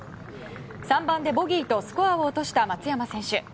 ３番でボギーとスコアを落とした松山選手。